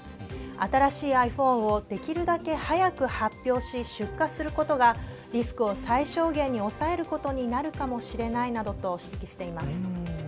新しいｉＰｈｏｎｅをできるだけ早く発表し出荷することがリスクを最小限に抑えることになるかもしれないなどと指摘しています。